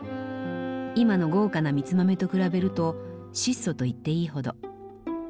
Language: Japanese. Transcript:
今の豪華な蜜豆と比べると質素と言っていいほど。